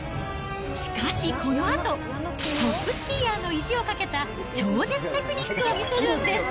しかしこのあと、トップスキーヤーの意地をかけた超絶テクニックを見せるんです。